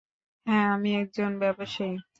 হ্যাঁ, আমি এক জন ব্যবসায়ী।